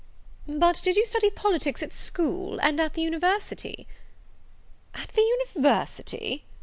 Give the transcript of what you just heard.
"But, did you study politics at school, and at the university?" "At the university!"